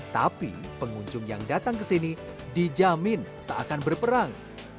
tapi pengunjung yang datang ke sini dijamin tak akan berperang